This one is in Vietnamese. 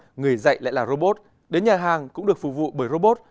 đi học người dạy lại là robot đến nhà hàng cũng được phục vụ bởi robot